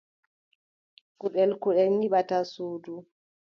Kuɗel kuɗel nyiɓata suudu.